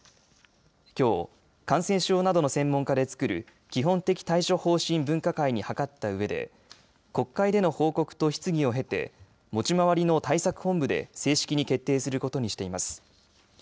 きょう感染症などの専門家でつくる基本的対処方針分科会に諮ったうえで国会での報告と質疑を経て持ち回りの対策本部で正式に決定することにしています。